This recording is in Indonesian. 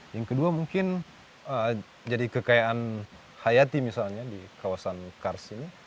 yang kedua mungkin jadi kekayaan hayati misalnya di kawasan kars ini